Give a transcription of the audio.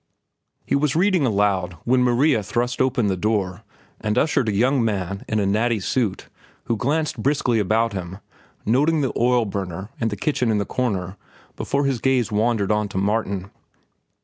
He was reading aloud when Maria thrust open the door and ushered in a young man in a natty suit who glanced briskly about him, noting the oil burner and the kitchen in the corner before his gaze wandered on to Martin.